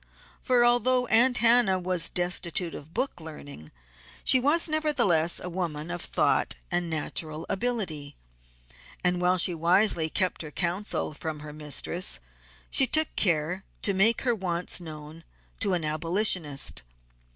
For although Aunt Hannah was destitute of book learning she was nevertheless a woman of thought and natural ability, and while she wisely kept her counsel from her mistress she took care to make her wants known to an abolitionist.